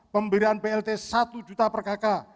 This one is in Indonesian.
pemberian plt satu juta per kakak